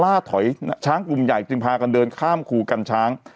ล่าถอยช้างกลุ่มใหญ่จึงพากันเดินข้ามคูกันช้าง